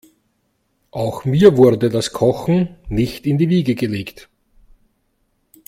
Auch mir wurde das Kochen nicht in die Wiege gelegt.